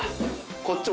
こっちも。